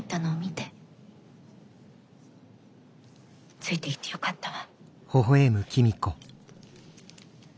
ついてきてよかったわ。